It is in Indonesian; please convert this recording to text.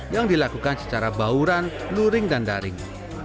yang dilakukan secara bauran luring dan daring